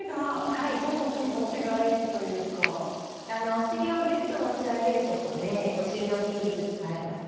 お尻をギュッと持ち上げることでお尻の筋肉使えます。